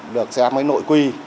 được xem với nội quy